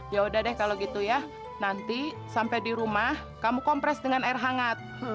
yaudah deh kalau gitu ya nanti sampai di rumah kamu kompres dengan air hangat